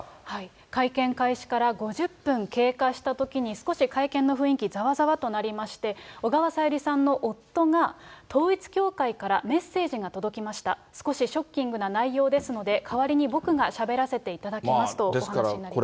会見開始から５０分経過したときに、少し会見の雰囲気、ざわざわとなりまして、小川さゆりさんの夫が、少しショッキングな内容ですので、代わりに僕がしゃべらせていただきますとお話になりました。